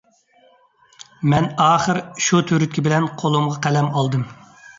مەن ئاخىر شۇ تۈرتكە بىلەن قولۇمغا قەلەم ئالدىم.